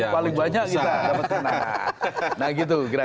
kalau banyak kita nggak berkenan